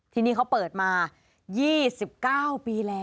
ที่นี่เขาเปิดมา๒๙ปีแล้ว